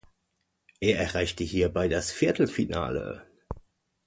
Er erreichte hierbei das Viertelfinale.